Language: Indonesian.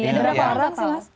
ada berapa orang sih mas